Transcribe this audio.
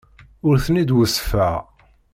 Ur ten-id-weṣṣfeɣ.